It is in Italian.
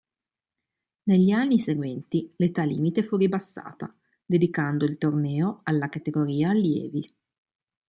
Negli anni seguenti l'età limite fu ribassata, dedicando il torneo alla categoria Allievi.